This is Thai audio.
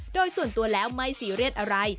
โดยส่วนตัวแล้วไม่ซีเรียสอะไร